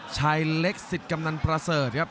ชายเล็กสิทธิ์กำนันประเสริฐครับ